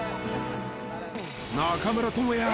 中村倫也